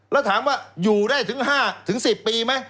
แล้วถามว่าอยู่ได้ถึงห้าถึงสิบปีไหม